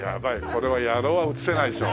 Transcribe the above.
これは野郎は映せないでしょ。